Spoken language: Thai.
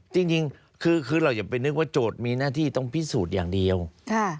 จริงคือเราอย่าไปนึกว่าโจทย์มีหน้าที่ต้องพิสูจน์อย่างเดียวค่ะ